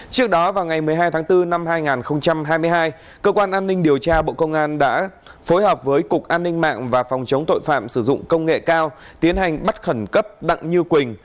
trước đó vào ngày một mươi hai tháng bốn năm hai nghìn hai mươi hai cơ quan an ninh điều tra bộ công an đã phối hợp với cục an ninh mạng và phòng chống tội phạm sử dụng công nghệ cao tiến hành bắt khẩn cấp đặng như quỳnh